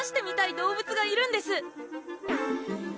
動物がいるんです